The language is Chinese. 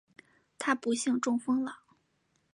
她不幸中风了